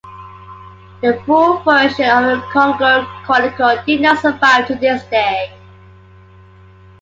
The full version of the Kungur Chronicle did not survive to this day.